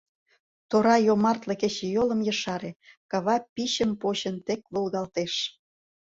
Тора йомартле кечыйолым Ешаре, кава пичым почын — Тек волгалтеш!